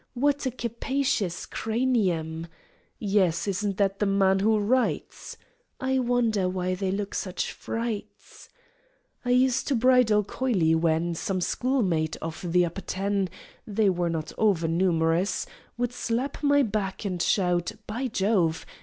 "What a capacious cranium!" "Yes; isn't that the man who writes?" "I wonder why they look such frights!" I used to bridle coyly when Some schoolmate, of the Upper Ten (They were not over numerous!), Would slap my back, and shout "By Jove!